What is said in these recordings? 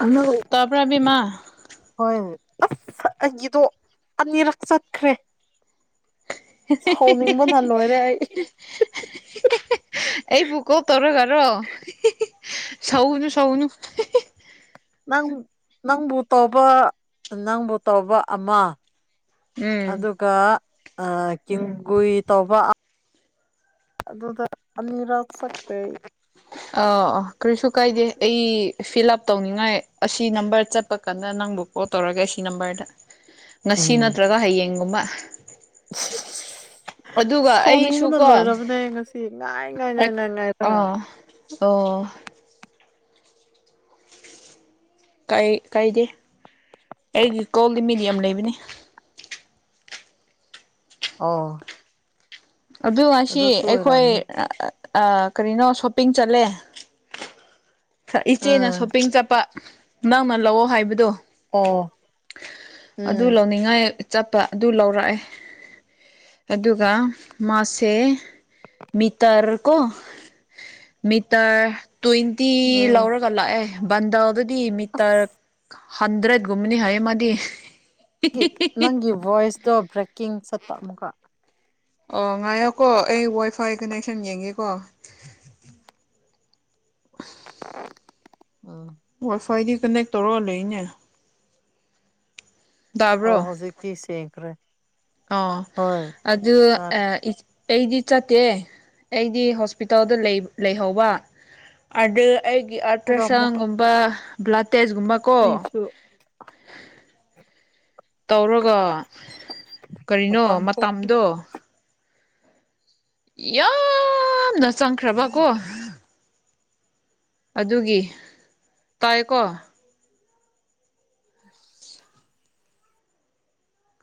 hello ꯇꯥꯕ꯭ꯔꯥ ꯕꯤꯃꯥ ꯍꯣꯏ ꯑꯁ ꯑꯩꯒꯤꯗꯣ ꯑꯅꯤꯔꯛ ꯆꯠꯈ꯭ꯔꯦ ꯁꯥꯎꯅꯤꯡꯕꯅ ꯂꯣꯏꯔꯦ ꯑꯩ ꯑꯩ ꯄꯨ ꯀꯣꯛ ꯇꯧꯔꯒꯔꯣ ꯁꯧꯅ ꯁꯧꯅ ꯅꯪ ꯅꯪꯕꯨ ꯇꯧꯕ ꯅꯪꯕꯨ ꯇꯧꯕ ꯑꯃ ꯎꯝ ꯑꯗꯨꯒ ꯀꯤꯝꯒꯨꯏ ꯇꯧꯕ ꯑꯗꯨꯗ ꯑꯅꯤꯔꯛ ꯆꯠꯀ꯭ꯔꯦ ꯑ ꯀꯔꯤꯁꯨ ꯀꯥꯏꯗꯦ ꯑꯩ ꯐꯤꯜꯂꯞ ꯇꯧꯅꯤꯡꯉꯥꯏ ꯑꯁꯤ ꯅꯝꯕꯔ ꯆꯠꯄ ꯀꯥꯟꯗ ꯅꯪꯕꯨ ꯀꯣꯜ ꯇꯧꯔꯒꯦ ꯑꯁꯤ ꯅꯝꯕꯔꯗ ꯉꯁꯤ ꯎꯝ ꯅꯠꯇ꯭ꯔꯒ ꯍꯌꯦꯡꯒꯨꯝꯕ [inaudible] ꯑꯗꯨꯒ ꯑꯩꯁꯨ ꯁꯥꯎꯅꯤꯡꯕꯅ ꯀꯣ ꯂꯣꯏꯔꯕꯅꯦ ꯉꯁꯤ ꯉꯥꯏ ꯉꯥꯏ ꯉꯥꯏꯅꯥꯏ ꯉꯥꯏꯔꯒ ꯑꯥ ꯑꯣ ꯀꯩ ꯀꯥꯏꯗꯦ ꯑꯩꯒꯤ ꯀꯣꯜꯗꯤ ꯃꯤꯗꯤ ꯌꯥꯝ ꯂꯩꯕꯅꯤ ꯑꯣ ꯑꯗꯨ ꯉꯁꯤ ꯑꯗꯨꯁꯨ ꯑꯩꯈꯣꯏ ꯑꯣꯏꯔꯝꯅꯤ ꯑꯥ ꯀꯔꯤꯅꯣ ꯁꯣꯞꯄꯤꯡ ꯆꯠꯂꯦ ꯏꯆꯦꯅ ꯑꯥ ꯁꯣꯞꯄꯤꯡ ꯆꯠꯄ ꯅꯪꯅ ꯂꯧꯑꯣ ꯍꯥꯏꯕꯗꯣ ꯑꯣ ꯑꯗꯨ ꯎꯝ ꯂꯧꯅꯤꯡꯉꯥꯏ ꯆꯠꯄ ꯑꯗꯨ ꯂꯧꯔꯛꯑꯦ ꯑꯗꯨꯒ ꯃꯥꯁꯦ ꯃꯤꯇ꯭ꯔꯀꯣ ꯃꯤꯇꯥ꯭ꯔ ꯇ‌ꯣꯏꯟ ꯇꯤ ꯎꯝ ꯂꯧꯔꯒ ꯂꯥꯛꯑꯦ ꯕꯟꯗꯜꯗꯨꯗꯤ ꯃꯤꯇꯔ ꯑꯁ ꯍꯟꯗ꯭ꯔꯠ ꯨꯅꯤ ꯍꯥꯏꯌꯦꯃꯗꯤ ꯅꯪꯒꯤ ꯣꯏꯁꯗꯣ ꯕ꯭ꯔꯦꯛꯀꯤꯡ ꯁꯠꯠꯇ ꯑꯃꯨꯒ ꯑꯣ ꯉꯥꯏꯌꯣꯀꯣ ꯑꯩ ꯋꯥꯏ ꯐꯥꯏ ꯀꯅꯦꯛꯁꯟ ꯌꯦꯡꯒꯦꯀꯣ [inaudible] ꯎꯝ ꯐꯏꯗꯤ ꯀꯅꯦꯛ ꯇꯧꯔꯛ ꯂꯩꯅꯦ ꯑ ꯍꯧꯖꯤꯛꯇꯤ ꯁꯦꯡꯀꯔꯦ ꯑ ꯑꯗꯨꯗ ꯇꯥꯔꯦ ꯑ ꯑꯩꯗꯤ ꯆꯠꯇꯦ ꯑꯩꯗꯤ ꯍꯣꯁꯄꯤꯇꯥꯜꯗ ꯂꯩꯍꯧꯕ ꯑꯗꯨ ꯑꯩꯒꯤ ꯑꯜꯇ꯭ꯔ ꯑꯗꯨꯒ ꯑꯃꯨꯛꯀ ꯁꯥꯎꯟꯒꯨꯝꯕ ꯕ꯭ꯂꯥ ꯇꯦꯖꯀꯨꯝꯕ ꯀꯣ ꯑꯩꯁꯨ ꯇꯧꯔꯒ ꯀꯔꯤꯅꯣ ꯃꯄꯥꯟ ꯊꯣꯛꯈꯤ ꯃꯇꯝꯗꯣ ꯌꯥꯝꯅ ꯆꯪꯈ꯭ꯔꯕ ꯀꯣ ꯑꯗꯨꯒꯤ ꯇꯥꯏꯀꯣ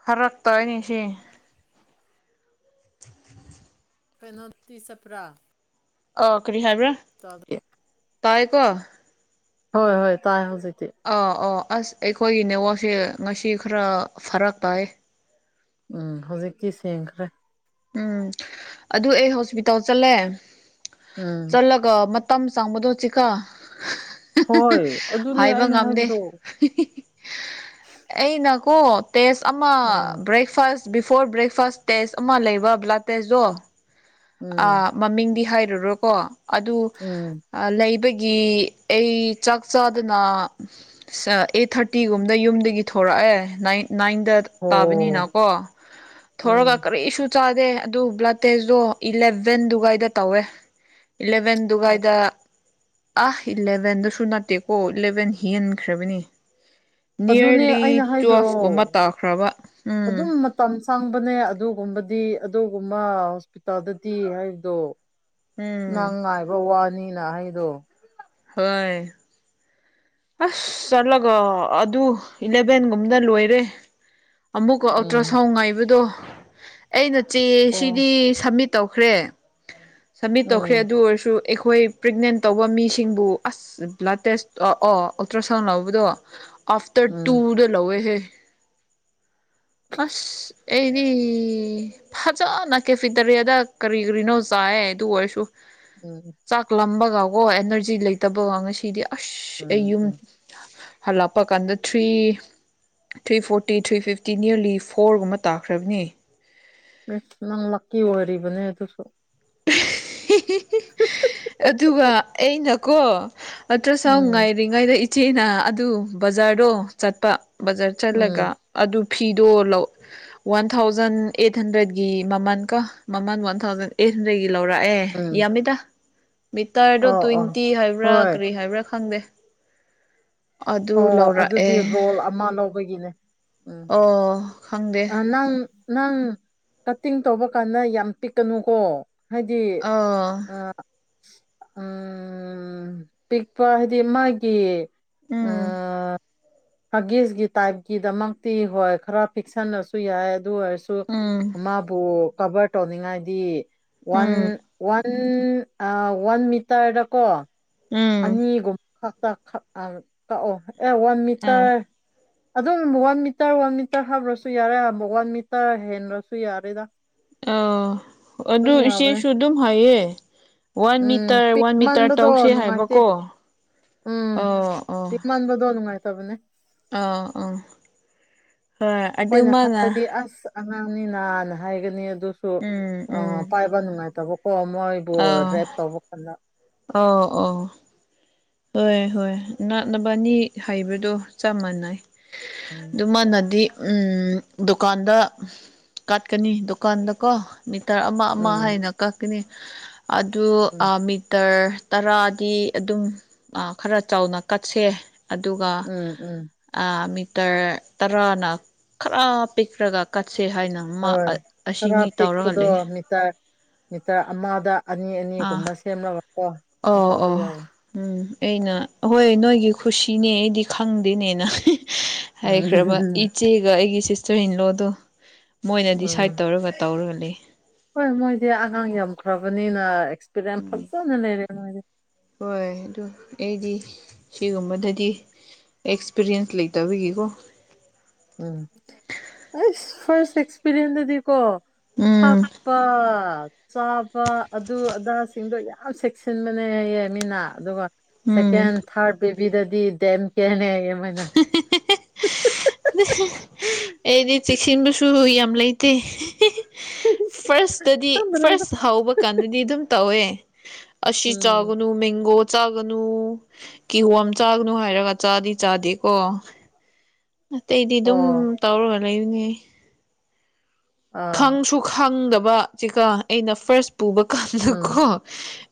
ꯐꯔꯛꯇꯣꯏꯅꯤ ꯁꯤ [inaudible] [inaudible] ꯄꯣꯇꯤ ꯆꯄ꯭ꯔꯥ ꯑꯣꯀꯦ ꯆ ꯇꯥꯏꯀꯣ ꯍꯣꯏ ꯍꯣꯏ ꯇꯥꯏ ꯍꯧꯖꯤꯛ ꯑꯥ ꯑꯣ ꯑꯁ ꯑꯩꯈꯣꯏꯒꯤ ꯅꯦꯠꯋꯥꯛꯁꯦ ꯉꯁꯤ ꯈꯔ ꯐꯔꯛꯄꯥꯏ ꯎꯝ ꯍꯧꯖꯤꯛꯛꯇꯤ ꯁꯦꯡꯈ꯭ꯔꯦ ꯎꯝ ꯑꯗꯨ ꯑꯩ ꯍꯣꯁꯄꯤꯇꯥꯜ ꯆꯠꯂꯦ ꯎꯝ ꯆꯠꯂꯒ ꯇꯝ ꯆꯥꯡꯕꯗꯧꯁꯤꯀ ꯍꯣꯏ ꯑꯗꯨꯅꯦ ꯑꯩꯅ ꯉꯝꯗꯦ ꯍꯥꯏꯕꯗꯣ ꯑꯩꯅꯀꯣ ꯇꯦꯁ ꯑꯃ um breakfast before breakfast test ꯑꯃ ꯂꯩꯕ ꯕ꯭ꯂꯥꯠ ꯇꯦꯁꯇꯣ ꯎꯝ ꯃꯃꯤꯡꯗꯤ ꯍꯥꯏ ꯎꯝ [inaudible] ꯒꯤ ꯑꯩ ꯆꯥꯛ ꯆꯥꯗꯅ ꯑꯩꯠ ꯊꯥꯔꯇꯤꯒꯨꯝꯕꯗ ꯌꯨꯝꯗꯒꯤ ꯊꯣꯛꯣꯔꯛꯑ ꯑꯦ ꯅꯥꯏꯟꯗ ꯑꯣ ꯇꯥꯕꯅꯤꯅꯀꯣ ꯊꯣꯔꯒ ꯎꯝ ꯀꯔꯤꯁꯨ ꯆꯥꯗꯦ ꯑꯗꯨ ꯕ꯭ꯂꯗ ꯇꯦꯁꯇꯣ ꯏꯂꯚꯦꯟꯗꯨꯒ ꯑꯩꯗ ꯇꯧꯋꯦ ꯏꯂꯚꯦꯟ ꯗꯨꯋꯥꯥꯏꯗ ꯑ ꯏꯂꯚꯦꯟꯗꯁꯨ ꯅꯠꯇꯦꯀꯣ ꯏꯂꯚꯦꯟ ꯍꯤꯍꯟꯈ꯭ꯔꯕꯅꯤ ꯑꯗꯨꯅꯦ ꯅꯤꯌꯔꯂꯤ ꯑꯩꯅ ꯍꯥꯏꯗꯨꯔꯣ ꯇꯨꯋꯦꯜꯐꯀꯨꯝꯕ ꯇꯥꯈ꯭ꯔꯕ ꯎꯝ ꯁꯪꯕꯅꯦ ꯑꯗꯨꯒꯨꯝꯕꯗꯤ ꯑꯗꯨꯒꯨꯝꯕ ꯍꯣꯁꯄꯤꯇꯥꯜꯗꯗꯤ ꯍꯥꯏꯕꯗꯣ ꯎꯝ ꯅꯪ ꯉꯥꯏꯕ ꯋꯥꯅꯤꯅ ꯑꯩꯗꯣ ꯍꯣꯏ ꯑꯁ ꯆꯠꯂꯒ ꯑꯗꯨ ꯏꯂꯚꯦꯟꯒꯨꯝꯗ ꯂꯣꯏꯔꯦ ꯑꯃꯨꯛꯀ ꯑꯜꯇ꯭ꯔ ꯎꯝ ꯁꯥꯎꯟ ꯉꯥꯏꯕꯗꯣ ꯑꯩꯅ ꯆꯦ ꯑꯣ ꯁꯤꯗꯤ ꯁꯃꯤꯠ ꯇꯧꯈ꯭ꯔꯦ ꯁꯕꯃꯤꯠ ꯇꯧꯈ꯭ꯔꯦ ꯎꯝ ꯑꯗꯨ ꯑꯣꯏꯔꯁꯨ ꯑꯩꯈꯣꯏ ꯄ꯭ꯔꯦꯒꯅꯦꯟ ꯇꯧꯕ ꯃꯤꯁꯤꯡꯕꯨ ꯑꯁ ꯕ꯭ꯂꯗ ꯇꯦꯁ ꯑꯣ ꯑꯜꯇ꯭ꯔ ꯁꯥꯎꯟ ꯂꯧꯕꯗꯣ ꯑꯥꯐꯇꯔ ꯎꯝ ꯇꯨꯗ ꯂꯧꯋꯦꯍꯦ ꯑꯁ ꯑꯩꯗꯤ ꯐꯖꯅ ꯀꯦꯐꯤ ꯇꯔꯤꯌꯥꯗ ꯀꯔꯤ ꯀꯔꯤꯅꯣ ꯆꯥꯏ ꯑꯗꯨ ꯑꯣꯏꯔꯁꯨ ꯎꯝ ꯆꯥꯛ ꯂꯝꯕꯒꯀꯣ ꯑꯦꯅꯔꯖꯤ ꯂꯩꯇꯕꯒ ꯉꯁꯤꯗꯤ ꯑꯁ ꯑꯩ ꯎꯝ ꯌꯨꯝ ꯎꯝ ꯍꯜꯂꯛꯄ ꯀꯥꯟꯗ three three forty three fifty nearly ꯐꯣꯔꯒꯨꯝꯕ ꯇꯥꯈ꯭ꯔꯕꯅꯤ ꯁ ꯅꯪ ꯂꯛꯀꯤ ꯑꯣꯏꯔꯤꯕꯅꯦ ꯑꯗꯨꯁꯨ ꯑꯗꯨꯒ ꯑꯩꯅꯀꯣ ꯅꯠꯇ꯭ꯔ ꯁ ꯎꯝ ꯉꯥꯏꯔꯤꯉꯩꯗ ꯏꯆꯦꯅ ꯑꯗꯨ ꯕꯖꯥꯔꯗꯣ ꯆꯠꯄ ꯕꯖꯥꯔ ꯎꯝ ꯆꯠꯂꯒ ꯑꯗꯨ ꯐꯤꯗꯣ ꯂꯧ ꯋꯥꯟ ꯊꯥꯎꯖꯟ ꯑꯩꯠ ꯍꯟꯗ꯭ꯔꯦꯗꯀꯤ ꯃꯃꯜ ꯀ ꯃꯃꯜ ꯋꯥꯟ ꯊꯥꯎꯖꯟ ꯑꯦꯠ ꯍꯗꯒꯤ ꯂꯧꯔꯛꯑꯦ ꯑꯦ ꯎꯝ ꯌꯥꯝꯃꯤꯗ ꯃꯤꯇꯔꯗꯣ ꯑꯣ ꯑꯣ ꯇ꯭ꯋꯦꯟꯇꯤ ꯍꯥꯏꯕ꯭ꯔꯥ ꯍꯣꯏ ꯀꯔꯤ ꯍꯥꯏꯕ꯭ꯔꯥ ꯈꯪꯗꯦ ꯑꯗꯨ ꯑꯣ ꯂꯧꯔꯛꯑꯦ ꯑꯗꯨꯗꯤ ꯔꯣꯜ ꯑꯃ ꯂꯧꯕꯒꯤꯅꯦ ꯎꯝ ꯑꯣ ꯈꯪꯗꯦ ꯅꯪ ꯅꯪ ꯀꯠꯇꯤꯡ ꯇꯧꯕ ꯀꯥꯟꯗ ꯌꯥꯝ ꯄꯤꯛꯀꯅꯨꯀꯣ ꯍꯥꯏꯗꯤ ꯑꯣ ꯑ ꯎꯝ ꯄꯤꯛꯄ ꯍꯥꯏꯗꯤ ꯃꯥꯒꯤ ꯎꯝ ꯐꯥꯒꯤꯁꯒꯤ ꯇꯥꯏꯞꯀꯤꯗꯃꯛꯇꯤ ꯍꯣꯏ ꯈꯔ ꯐꯤꯛꯁꯟꯅꯁꯨ ꯌꯥꯏ ꯑꯗꯨ ꯑꯣꯏꯔꯁꯨ ꯎꯝ ꯃꯥꯕꯨ ꯀꯕꯔ ꯇꯧꯅꯤꯡꯉꯥꯏꯗꯤ ꯋꯥꯟ ꯎꯝ ꯋꯥꯟ ꯋꯥꯟ ꯃꯤꯇꯔꯗ ꯀꯣ ꯎꯝ ꯑꯅꯤꯒ ꯑ ꯀ ꯑꯦ ꯋꯥꯟ ꯑꯥ ꯃꯤꯇꯔ ꯑꯗꯨꯝ ꯋꯥꯟ ꯃꯤꯇꯔ ꯋꯥꯟ ꯃꯤꯇꯔ ꯍꯥꯞ꯭ꯔꯁꯨ ꯌꯥꯔꯦ ꯑ ꯋꯥꯟ ꯃꯤꯇꯔ ꯍꯦꯟ꯭ꯔꯁꯨ ꯌꯥꯔꯦꯗ ꯑ ꯑꯗꯨ ꯑꯗꯨꯝ ꯌꯥꯕꯅꯦ ꯏꯆꯦꯁꯨ ꯑꯗꯨꯝ ꯍꯥꯏꯌꯦ ꯋꯥꯟ ꯎꯝ ꯃꯤꯇꯔ ꯋꯥꯟ ꯃꯤꯇꯔ ꯄꯤꯛꯃꯟꯕꯗꯣ ꯇꯧꯁꯦ ꯍꯥꯏꯕ ꯅꯨꯡꯉꯥꯏꯇꯦ ꯀꯣ ꯑ ꯑ ꯅꯨꯡꯉꯥꯏ ꯇꯕꯅꯦ ꯑ ꯑ ꯍꯣꯏ ꯑꯗꯨꯃꯉꯥ ꯑꯅꯤꯅꯥꯅ ꯍꯥꯏꯒꯅꯤ ꯑꯗꯨꯁꯨ ꯎꯝ ꯎꯝ ꯄꯥꯏꯕ ꯅꯨꯡꯉꯥꯏꯇꯕ ꯍ ꯃꯣꯏꯕꯨ ꯑꯥ ꯔꯦ ꯇꯧꯕ ꯀ ꯑꯣ ꯑꯣ ꯍꯣꯏ ꯍꯣꯏ ꯅꯅꯥꯛꯅꯕ ꯑꯅꯤ ꯍꯩꯕꯗꯣ ꯆꯞ ꯃꯥꯟꯅꯩ ꯎꯝ ꯑꯗꯨꯃꯥꯟꯅꯗꯤ ꯎ ꯗꯨꯀꯥꯟꯗ ꯀꯥꯠꯀꯅꯤ ꯗꯨꯀꯥꯟꯗꯀꯣ ꯇꯔ ꯑꯃ ꯑꯃ ꯎꯝ ꯍꯥꯏꯅ ꯀꯛꯀꯅꯤ ꯑꯗꯨ ꯎꯝ ꯃꯤꯇꯔ ꯇꯔꯥꯗꯤ ꯑꯗꯨꯝ ꯈꯔ ꯆꯥꯎꯅ ꯀꯠꯁꯦ ꯑꯗꯨꯒ ꯎꯝ ꯎꯝ ꯃꯤ ꯇꯔꯥꯅ ꯈꯔ ꯄꯤꯛ꯭ꯔꯒ ꯁꯦ ꯍꯥꯏꯅ ꯍꯣꯏ ꯑꯁꯤꯅꯤ ꯇꯧꯔꯒ ꯂꯩ ꯅꯤꯇ ꯑꯃꯃꯥꯗ ꯑꯥ ꯑꯣ ꯇꯧꯕ ꯑꯣ ꯌꯥꯎꯋꯦ ꯎꯝ ꯑꯅ ꯍꯣꯏ ꯅꯣꯏ ꯑꯩ ꯒꯤ ꯈꯨꯁꯤꯅꯦ ꯑꯩꯗꯤ ꯈꯪꯗꯦꯅꯦꯅ ꯍꯥꯏꯈ꯭ꯔꯕ ꯎꯝ ꯏꯆꯦꯒ ꯑꯩꯒꯤ ꯁꯤꯁꯇꯔ ꯏꯟ ꯂꯣꯗꯣ ꯃꯣꯏꯅ ꯗꯤꯁꯥꯏꯠ ꯎꯝ ꯇꯧꯔꯒ ꯇꯧꯔꯒ ꯂꯩ ꯍꯣꯏ ꯃꯣꯏꯗꯤ ꯑꯉꯥꯡ ꯌꯥꯝꯈ꯭ꯔꯕꯅꯤꯅ ꯑꯦꯛꯁꯄꯤꯔꯤꯌꯦꯟꯁ ꯎꯝ ꯐꯖꯅ ꯂꯩꯔꯦ ꯃꯣꯏꯗꯤ ꯍꯣꯏ ꯍꯣ ꯑꯦꯗꯤ ꯁꯤꯒꯨꯝꯕꯗꯗꯤ ꯑꯦꯛꯁꯄꯤꯔꯤꯌꯦꯟꯁ ꯂꯩꯇꯕꯒꯤꯀꯣ ꯎꯝ ꯐ ꯑꯦꯛꯁꯄꯤꯔꯤꯟꯁ ꯑꯗꯨꯗꯤꯀꯣ ꯎꯝ ꯊꯛꯄ ꯆꯥꯕ ꯑꯗꯨ ꯑꯗꯥꯁꯤꯡꯗꯣ ꯌꯥꯝ ꯆꯦꯛꯁꯤꯟꯕꯅꯦ ꯍꯥꯏꯌꯦꯦ ꯃꯤꯅ ꯑꯗꯨꯒ ꯎꯝ ꯁꯦꯀꯦꯟ ꯊꯥꯔꯠ ꯕꯦꯕꯤꯗꯗꯤ ꯗꯦꯝ ꯀꯦꯅꯦꯌꯦ ꯃꯣꯏꯅ ꯑꯩꯗꯤ ꯆꯦꯛꯁꯤꯟꯕꯁꯨ ꯌꯥꯝ ꯂꯩꯇꯦ ꯐꯥꯔꯁꯇꯗꯤ ꯈꯪꯗ꯭ꯔꯦꯗ ꯐꯥꯔꯁ ꯍꯧꯕ ꯀꯥꯟꯗꯗꯤ ꯑꯗꯨꯝ ꯇꯧꯋꯦ ꯑꯁꯤ ꯎꯝ ꯆꯥꯒꯅꯨ ꯃꯦꯡꯒꯣ ꯆꯥꯒꯅꯨ ꯀꯤꯍꯣꯝ ꯆꯥꯒꯅꯨ ꯍꯥꯏꯔꯒ ꯆꯥꯗꯤ ꯆꯥꯗꯦꯀꯣ ꯑꯇꯩꯗꯤ ꯑꯗꯨꯝ ꯑꯣ ꯇꯧꯔꯒ ꯂꯩꯔꯤꯅꯦ ꯑꯥ ꯈꯪꯁꯨ ꯈꯪꯗꯕ ꯆꯦꯀꯥ ꯑꯩꯅ ꯐꯥꯔꯁ ꯄꯨꯕ ꯎꯝ ꯀꯥꯟꯗꯀꯣ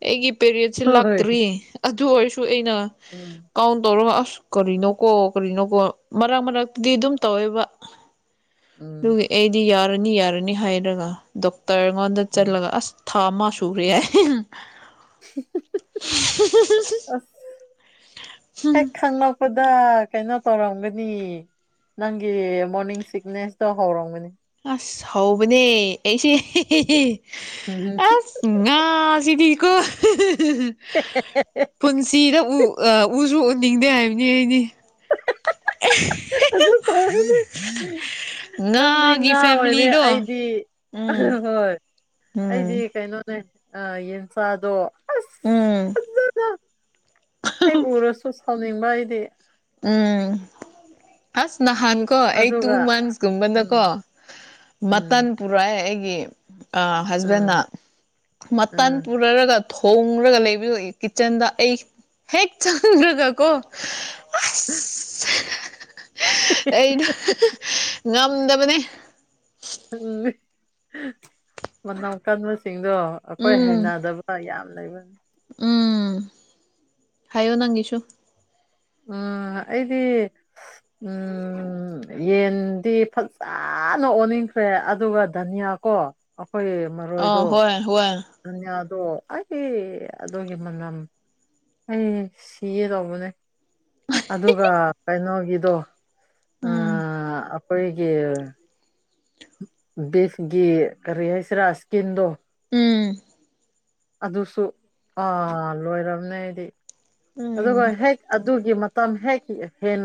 ꯑꯩꯒꯤ ꯄꯦꯔꯤꯠꯁꯦ ꯍꯣꯏ ꯂꯥꯛꯇ꯭ꯔꯤ ꯑꯗꯨ ꯑꯣꯏꯔꯁꯨ ꯑꯩꯅ ꯎꯝ ꯀꯥꯎꯟ ꯇꯧꯔ ꯀꯔꯤꯅꯣ ꯀꯣ ꯀꯔꯤꯅꯣ ꯀꯣ ꯃꯔꯛ ꯃꯔꯛꯇꯗꯤ ꯑꯗꯨꯝ ꯇꯧꯋꯦꯕ ꯎꯝ ꯑꯗꯨꯒꯤ ꯑꯩꯗꯤ ꯌꯥꯔꯅꯤ ꯌꯥꯔꯅꯤ ꯍꯥꯏꯔꯒ ꯗꯣꯛꯇꯔ ꯑꯩꯉꯣꯟꯗ ꯎꯝ ꯆꯠꯂꯒ ꯑꯁ ꯊꯥ ꯃꯥꯁꯨꯔꯦ ꯑꯁ ꯍꯦꯛ ꯈꯪꯅꯄ ꯑꯗ ꯀꯩꯅꯣ ꯇꯧꯔꯝꯒꯅꯤ ꯅꯪꯒꯤ ꯃꯣꯔꯅꯤꯡ ꯁꯤꯛꯅꯦꯁꯇꯣ ꯍꯧꯔꯝꯒꯅꯤ ꯑꯁ ꯍꯧꯕꯅꯦ ꯑꯩꯁꯦ ꯑꯁ ꯉꯥꯁꯤꯗꯤ ꯄꯨꯁꯤ ꯎ ꯎ ꯂꯤꯡꯗ ꯍꯥꯏꯌꯦꯅꯦ ꯑꯩꯗꯤ ꯑꯗꯨ ꯇꯧꯔꯗꯤ ꯎ ꯅꯪꯗꯤ ꯉꯥ ꯑꯣꯏꯔꯦ ꯑꯩꯗꯤ ꯎꯝ ꯍꯣꯏ ꯑꯩꯗꯤ ꯎꯝ ꯀꯩꯅꯣꯅꯦ ꯑ ꯌꯦꯟꯁꯥꯗꯣ ꯎꯝ ꯍꯦꯛ ꯎꯔꯁꯨ ꯁꯥꯎꯅꯤꯡꯕ ꯑꯩꯗꯤ ꯎꯝ ꯑꯁ ꯅꯍꯥꯟ ꯀꯣ ꯑꯩ ꯇꯨ ꯑꯗꯨꯒ ꯃꯟꯁꯀꯨꯝꯕꯗꯀꯣ ꯎꯝ ꯃꯇꯝ ꯎꯝ ꯄꯨꯔꯛꯑꯦ ꯑꯩꯒꯤ ꯑ ꯍꯁꯕꯦꯟ ꯎꯝ ꯃꯥꯟ ꯎꯝ ꯄꯨꯔꯔꯒ ꯊꯣꯡꯡꯂꯒ ꯂꯩꯕꯤꯔꯛꯏ ꯀꯤꯠꯆꯟꯗ ꯑꯩ ꯍꯦꯛ ꯆꯪꯈ꯭ꯔꯒꯀꯣ [unintelligible] ꯑꯩꯅ ꯉꯝꯗꯕꯅꯦ ꯎꯝ ꯃꯧꯀꯗꯁꯤ ꯁꯤꯡꯗꯣ ꯑꯩꯈꯣꯏ ꯎꯝ ꯍꯩꯅꯗꯕ ꯌꯥꯝ ꯂꯩꯕꯅꯤ ꯎꯝ ꯍꯥꯏꯣ ꯅꯪꯤꯁꯨ ꯑ ꯑꯩꯗꯤ ꯎꯝ ꯌꯦꯟꯗꯤ ꯐꯖꯅ ꯑꯣꯟꯅꯤꯡꯈ꯭ꯔꯦ ꯑꯗꯨꯒ ꯙꯅꯤꯌꯥ ꯀ ꯀ ꯑꯩꯈꯣꯏ ꯃꯔꯣꯏꯗꯣ ꯑ ꯍꯣꯏ ꯍꯣꯏ ꯗꯣ ꯑꯩ ꯑꯗꯨꯒꯤ ꯃꯅꯝ ꯑꯩ ꯁꯤ ꯑꯦ ꯇꯧꯕꯅꯦ ꯑꯗꯨꯒ ꯀꯩꯅꯣꯒꯤꯗꯣ ꯑ ꯎꯝ ꯑꯄꯣꯏꯒꯤ ꯕꯤꯁꯒꯤ ꯔꯤꯍꯥꯏꯁꯤꯔ ꯑꯀꯤꯤꯟꯗ ꯎꯝ ꯑꯗꯨꯁꯨ ꯑꯥ ꯂꯣꯏꯔꯝꯅꯦꯗꯤ ꯑꯗꯨꯒ ꯎꯝ ꯍꯦꯛ ꯑꯗꯨꯒꯤ ꯃꯇꯝ ꯍꯦꯛ ꯍꯦꯟ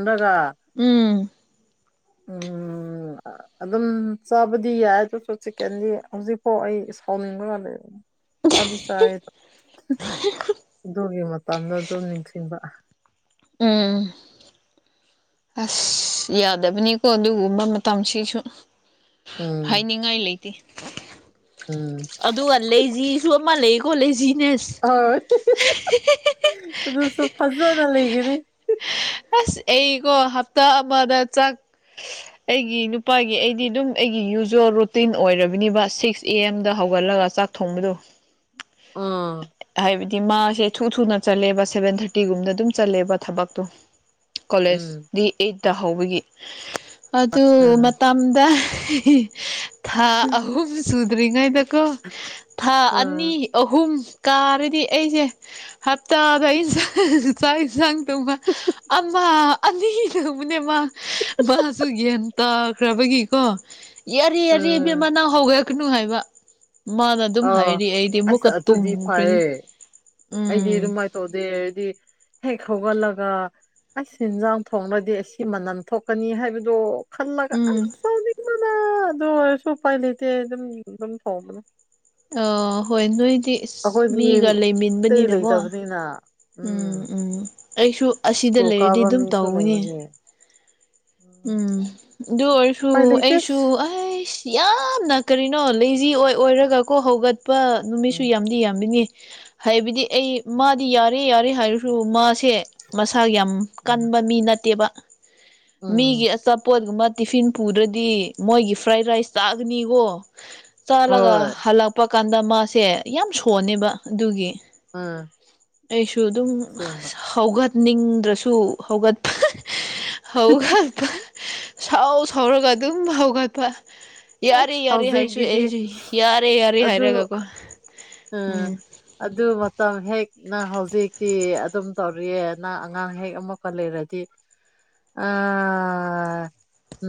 ꯎꯝ ꯎꯝ ꯑꯗꯨꯝ ꯆꯥꯕꯗꯤ ꯌꯥꯏ ꯑꯗꯨꯁꯨ ꯆꯤꯛꯀꯦꯟꯗꯤ ꯍꯧꯖꯤꯛꯐꯥꯎ ꯑꯩ ꯏꯁꯥꯎꯅꯤꯡꯕꯒ ꯂꯩ ꯆꯥꯁꯥꯏꯗꯣꯒꯤ ꯃ ꯇꯥꯡ ꯑꯗꯨꯝ ꯅꯤꯡꯁꯤꯡꯕ ꯎꯝ ꯑꯁ ꯌꯥꯗꯕꯅꯤꯀꯣ ꯑꯗꯨꯒꯨꯝꯕ ꯃꯇꯝꯁꯤꯁꯨ ꯎꯝ ꯍꯥꯏꯅꯤꯡꯉꯥꯏ ꯂꯩꯇꯦ ꯎꯝ ꯑꯗꯨꯒ ꯂꯩꯁꯤꯁꯨ ꯑꯃ ꯂꯩ ꯈꯣ ꯂꯩꯁꯤ ꯌꯦꯁ ꯍꯣꯏ ꯑꯗꯨꯁꯨ ꯐꯖꯅ ꯂꯩꯒꯅꯤ ꯑꯁ ꯑꯩꯀꯣ ꯍꯞꯇꯥ ꯑꯃꯗ ꯆꯥꯛ ꯑꯩꯒꯤ ꯅꯨꯄꯥꯒꯤ ꯑꯩꯗꯤ ꯑꯗꯨꯝ ꯑꯩꯒꯤ ꯌꯨꯖꯋꯦꯜ ꯔꯨꯇꯤꯟ ꯑꯣꯏꯔꯕꯅꯤꯕ ꯁꯤꯛꯁ ꯑꯦ ꯑꯦꯝꯗ ꯍꯧꯒꯠꯂꯒ ꯆꯥꯛ ꯊꯣꯡꯕꯗꯨ ꯎꯝ ꯍꯥꯏꯕꯗꯤ ꯃꯥꯁꯦ ꯊꯨ ꯊꯨꯅ ꯆꯠꯂꯦꯕ ꯁꯦꯚꯦꯟ ꯊꯥꯔꯇꯤꯒꯨꯝꯗ ꯑꯗꯨꯝ ꯆꯠꯂꯦꯕ ꯊꯕꯛꯇꯣ ꯀꯣꯂꯦꯖ ꯎꯝ ꯗꯤ ꯑꯩꯠꯇ ꯍꯧꯕꯒꯤ ꯑꯗꯨ ꯎꯝ ꯃꯇꯝꯗ ꯊꯥ ꯑꯍ ꯁꯗꯔꯤꯒꯗ ꯀ ꯊꯥ ꯑꯅꯤ ꯎꯝ ꯑꯍꯨꯝ ꯀꯥꯔꯗꯤ ꯑꯩꯁꯦ ꯍꯞꯇꯥꯗꯟ ꯆꯥꯛ ꯏꯟꯁꯥꯡ ꯊꯣꯡꯕ ꯑꯃ ꯑ ꯑꯅꯤ ꯊꯣꯛꯕꯅꯦ ꯃꯥ ꯃꯥꯁꯨ ꯒ꯭ꯌꯥꯟ ꯇꯥꯈ꯭ꯔꯕꯒꯤꯀꯣ ꯌꯥꯔꯤ ꯎꯝ ꯌꯥꯔꯤꯕꯦꯝꯃꯅꯥ ꯍꯧꯒꯛꯅꯨ ꯍꯥꯏꯕ ꯃꯥꯅ ꯑꯗꯨꯝ ꯍꯥꯏꯔꯤ ꯑꯩꯗꯤ ꯃꯨꯛꯀ ꯇꯨꯝꯃꯨ ꯍꯥꯏꯑꯦ ꯑꯩꯗꯤ ꯑꯗꯨꯃꯥꯏꯅ ꯇꯧꯗꯦ ꯑꯩꯗꯤ ꯍꯦꯛ ꯍꯧꯒꯠꯂꯒ ꯑꯩ ꯏꯟꯖꯥꯡ ꯊꯣꯡꯅꯗꯤ ꯑꯩ ꯑꯁꯤ ꯃꯅꯝ ꯊꯣꯛꯀꯅꯤ ꯍꯥꯏꯕꯗꯨ ꯈꯜꯂꯒ ꯎꯝ ꯑꯁ ꯁꯥꯎꯅꯤꯡ ꯃꯅ ꯑꯗꯨ ꯑꯣꯏꯁꯨ ꯎꯄꯥꯏ ꯂꯩꯇꯦ ꯑꯗꯨꯝ ꯑꯗꯨꯝ ꯁꯕꯅꯦ ꯑ ꯍꯣꯏ ꯅꯣꯏꯗꯤ ꯑꯩꯈꯣꯏꯗꯤ ꯃꯤꯒ ꯑꯇꯩ ꯂꯩꯃꯤꯟꯕꯅꯤꯅꯀꯣ ꯂꯩꯇꯕꯅꯤꯅ ꯎꯝ ꯎꯝ ꯑꯩꯁꯨ ꯑꯁꯤꯗ ꯁ꯭ꯀꯨꯜ ꯂꯩꯔꯗꯤ ꯀꯥꯕ ꯑꯗꯨꯝ ꯃꯤꯁꯨ ꯇꯧꯅꯦ ꯂꯩꯕꯒꯤ ꯎꯝ ꯗꯔꯁꯨ ꯎꯄꯥꯏ ꯂꯩꯇꯦ ꯑꯩꯁꯨ ꯑꯩꯁ ꯌꯥꯝꯅ ꯀꯔꯤꯅꯣ ꯂꯩꯖꯤ ꯑꯣꯏ ꯑꯣꯏꯔꯒꯀꯣ ꯍꯧꯒꯠꯄ ꯅꯨꯃꯤꯠꯁꯨ ꯎꯝ ꯌꯥꯝꯗꯤ ꯌꯥꯝꯕꯤꯅꯤ ꯍꯥꯏꯕꯗꯤ ꯑꯩ ꯃꯥꯗꯤ ꯌꯥꯔꯦ ꯌꯥꯔꯦ ꯍꯥꯏꯔꯁꯨ ꯃꯥꯁꯦꯁ ꯊꯥꯛ ꯌꯥꯝ ꯎꯝ ꯀꯟꯕ ꯃꯤ ꯅꯠꯇꯦꯕ ꯃꯤꯒꯤ ꯎꯝ ꯑꯆꯥꯄꯣꯠꯒꯨꯝꯕ ꯇꯤꯐꯤꯟ ꯄꯨꯗ꯭ꯔꯗꯤ ꯃꯣꯏꯒꯤ ꯐ꯭ꯔꯥꯏꯗ ꯔꯥꯏꯁ ꯆꯥꯒꯅꯤꯀꯣ ꯆꯥꯂꯒ ꯍꯣꯏ ꯍꯜꯂꯛꯄ ꯀꯥꯟꯗ ꯃꯥꯁꯦ ꯌꯥꯝ ꯁꯣꯟꯅꯦꯕ ꯑꯗꯨꯒꯤ ꯑꯥ ꯑꯩꯁꯨ ꯑꯗꯨꯝ ꯍꯧꯒꯠꯅꯤꯡꯗ꯭ꯔꯁꯨ ꯍꯧꯒꯠꯄ [unintelligible] ꯍꯧꯒꯠꯄ ꯁꯥꯎ ꯁꯥꯎꯔꯒ ꯑꯗꯨꯝ ꯍꯧꯥꯎꯒꯠꯄ ꯌꯥꯔ ꯑꯁ ꯌꯥꯔ ꯍꯥꯏꯁꯨ ꯍꯧꯖꯤꯛꯀꯤꯗꯤ ꯑꯩꯁꯨ ꯌꯥꯔꯦ ꯌꯥꯔꯦ ꯍꯥꯏꯔꯒꯀꯣ ꯎ ꯎꯝ ꯑꯗꯨ ꯃ ꯍꯦ ꯍ ꯅ ꯍꯧꯖꯤꯛꯇꯤ ꯑꯗꯨꯝ ꯇꯧꯔꯤꯑꯦ ꯅꯪ ꯑꯉꯥꯡ ꯍꯦꯛ ꯑꯃꯨꯛꯀ ꯂꯩꯔꯗꯤ ꯑ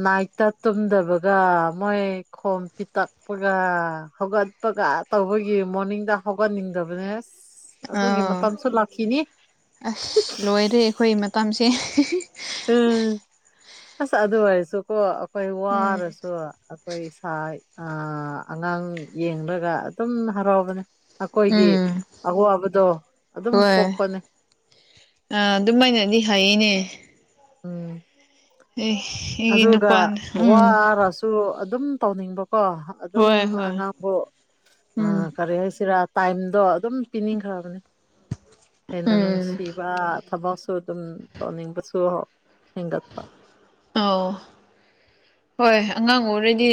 ꯅꯥꯏꯠꯇ ꯇꯨꯝꯗꯕꯒ ꯃꯣꯏ ꯈꯣꯝ ꯄꯤꯛꯇꯛꯄꯒ ꯍꯧꯒꯠꯄ ꯇꯧꯕꯒꯤ ꯃꯣꯔꯅꯤꯡꯗ ꯍꯧꯒꯠꯅꯤꯡꯗꯕꯅꯦ ꯑꯗꯨꯒꯤ ꯑꯥ ꯃꯇꯝꯁꯨ ꯂꯥꯛꯈꯤꯅꯤ ꯑꯁ ꯂꯣꯏꯔꯦ ꯑꯩꯈꯣꯏ ꯃꯇꯝꯁꯦ ꯎꯝ ꯑꯁ ꯑꯗꯨ ꯑꯣꯏꯁꯨꯀꯣ ꯑꯩꯈꯣꯏ ꯎꯝ ꯋꯥꯔꯁꯨ ꯑꯩꯈꯣꯏ ꯏꯁꯥ ꯑꯉꯥꯡ ꯌꯦꯡꯂꯒ ꯑꯗꯨꯝ ꯍꯔꯥꯎꯕꯅꯦ ꯑꯩꯈꯣꯏꯒꯤ ꯎꯝ ꯑꯋꯥꯕꯗꯣ ꯑꯗꯨꯝ ꯍꯣꯏ ꯀꯣꯛꯄꯅꯤ ꯑ ꯑꯗꯨꯝꯃꯥꯏꯅꯗꯤ ꯍꯥꯏꯅꯦ ꯎꯝ ꯑꯩꯒꯤ ꯑꯗꯨꯒꯒ ꯅꯨꯄꯥꯅ ꯍꯋꯥ ꯎꯝ ꯑ ꯔꯁꯨ ꯑꯗꯨꯝ ꯇꯧꯅꯤꯡꯕꯀꯣ ꯑꯗꯨꯝ ꯍꯣꯏ ꯍꯣꯏ ꯑꯉꯥꯡꯕꯨ ꯎꯝ ꯀꯔꯤ ꯍꯥꯏꯁꯤꯔꯥ ꯇꯥꯏꯝꯗꯣ ꯑꯗꯨꯝ ꯄꯤꯅꯤꯡꯈ꯭ꯔꯕꯅꯦ ꯍꯦꯟꯅ ꯎꯝ ꯅꯨꯡꯁꯤꯕ ꯊꯕꯛꯁꯨ ꯑꯗꯨꯝ ꯇꯧꯅꯤꯡꯕꯁꯨ ꯍꯦꯟꯒꯠꯄ ꯑ ꯍꯣꯏ ꯑꯉꯥꯡ ꯑꯣꯏꯔꯦꯗꯤ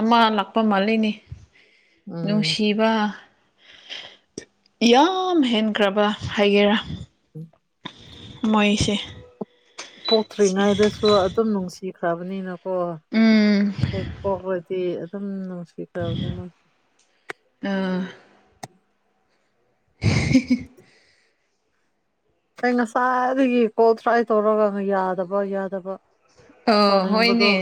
ꯑꯃ ꯂꯥꯛꯄ ꯃꯥꯜꯂꯤꯅꯤ ꯎꯝ ꯅꯨꯡꯁꯤꯕ ꯌꯥꯝ ꯍꯦꯟꯈ꯭ꯔꯕ ꯍꯥꯏꯒꯦꯔꯥ ꯃꯣꯏꯁꯦ ꯄꯣꯛꯇ꯭ꯔꯤꯉꯥꯏꯗꯁꯨ ꯑꯗꯨꯝ ꯅꯨꯡꯁꯤꯈ꯭ꯔꯕꯅꯤꯅ ꯀꯣ ꯎꯝ ꯍꯦꯛ ꯄꯣꯛꯄꯗꯤ ꯑꯗꯨꯝ ꯅꯨꯡꯁꯤꯈꯕꯅꯦ ꯃꯥ ꯑꯥ [inaudible] ꯑꯩ ꯉꯁꯥꯏꯗꯒꯤ ꯀꯣꯜ ꯇ꯭ꯔꯥꯏ ꯇꯧꯔꯒ ꯌꯥꯗꯕ ꯌꯥꯗꯕ ꯑ ꯁꯥꯎꯅꯤꯡꯕꯗꯣ ꯍꯣꯏꯅꯦ